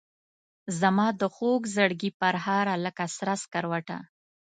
زمادخوږزړګي پرهاره لکه سره سکروټه